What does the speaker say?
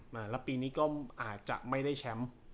แล้วปีนี้ก็อาจจะไม่ได้แชมป์